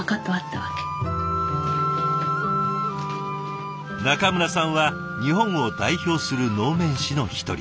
中村さんは日本を代表する能面師の一人。